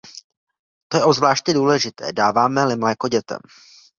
To je obzvláště důležité, dáváme-li mléko dětem.